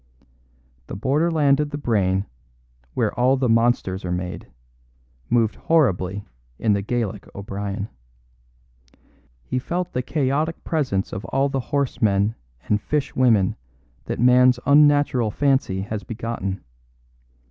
The borderland of the brain, where all the monsters are made, moved horribly in the Gaelic O'Brien. He felt the chaotic presence of all the horse men and fish women that man's unnatural fancy has begotten.